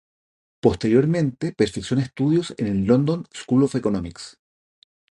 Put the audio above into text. Posteriormente perfecciona estudios en el London School of Economics.